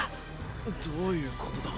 どういうことだ？